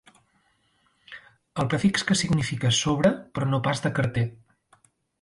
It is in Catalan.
El prefix que significa sobre, però no pas de carter.